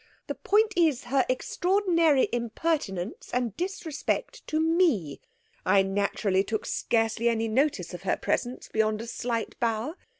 The point is her extraordinary impertinence and disrespect to me. I naturally took scarcely any notice of her presence beyond a slight bow.